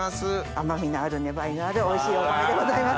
甘みのある粘りのあるおいしいお米でございます。